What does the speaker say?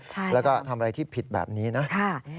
แล้วก็ทำอะไรที่ผิดแบบนี้นะ